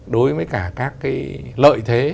đối với cả các cái lợi thế